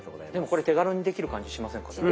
でもこれ手軽にできる感じしませんか。